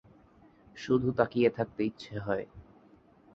শুধু তাকিয়ে থাকতে ইচ্ছে হয়।